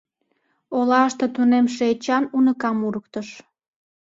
Олаште тунемше Эчан уныкам урыктыш.